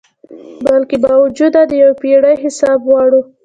بلکي باوجود د یو پیړۍ حساب غواړو